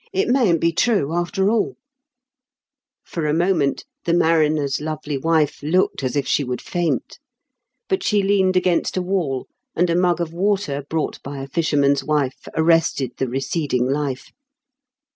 It mayn't be true, after alL" For a moment the mariner's lovely wife looked as if she would faint ; but she leaned against a wall, and a mug of water brought by a fisherman's wife arrested the receding life.